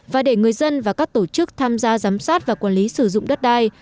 và để người dân và các tổ chức tham gia giám sát và quản lý sử dụng đất đai